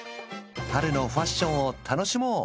春のファッションを楽しもう